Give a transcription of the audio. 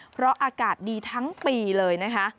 เพราะอากาศดีทั้งปีเลยนะคะ